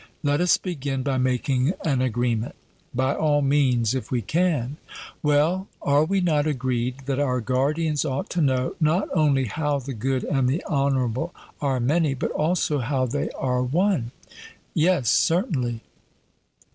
Let us begin by making an agreement. 'By all means, if we can.' Well, are we not agreed that our guardians ought to know, not only how the good and the honourable are many, but also how they are one? 'Yes, certainly.'